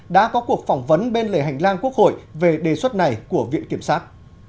đã có cuộc phỏng vấn bên lề hành lang quốc hội về đề xuất này của viện kiểm sát